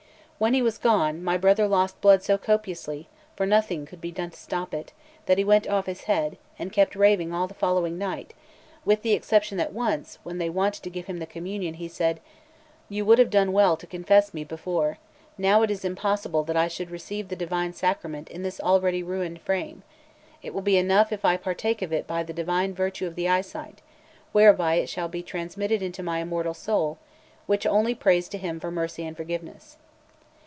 When he was gone, my brother lost blood so copiously, for nothing could be done to stop it, that he went off his head, and kept raving all the following night, with the exception that once, when they wanted to give him the communion, he said: "You would have done well to confess me before; now it is impossible that I should receive the divine sacrament in this already ruined frame; it will be enough if I partake of it by the divine virtue of the eyesight, whereby it shall be transmitted into my immortal soul, which only prays to Him for mercy and forgiveness."